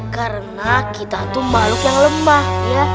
karena kita tuh makhluk yang lemah ya